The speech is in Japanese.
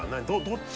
どっち？